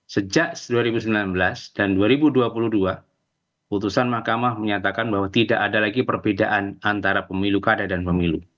sejak dua ribu sembilan belas dan dua ribu dua puluh dua putusan mahkamah menyatakan bahwa tidak ada lagi perbedaan antara pemilu kada dan pemilu